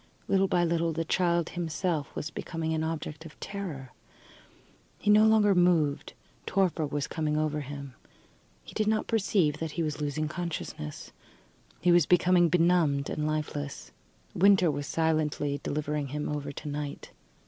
Little by little the child himself was becoming an object of terror. He no longer moved. Torpor was coming over him. He did not perceive that he was losing consciousness he was becoming benumbed and lifeless. Winter was silently delivering him over to night.